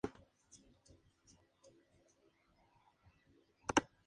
Él es parte de un trío de niños que siempre logran conseguir la paz.